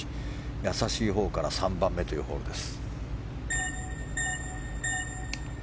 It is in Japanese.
易しいほうから３番目というホールです。